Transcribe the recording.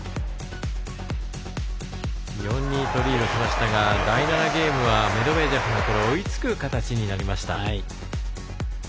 ４−２とリードしましたが第７ゲームはメドベージェフが追いつく形になりました。